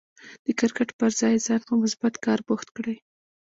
د کرکټ پر ځای ځان په مثبت کار بوخت کړئ.